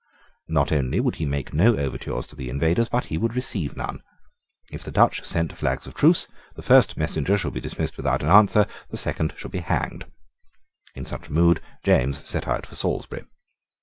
Not only would he make no overtures to the invaders, but he would receive none. If the Dutch sent flags of truce, the first messenger should be dismissed without an answer; the second should be hanged. In such a mood James set out for Salisbury.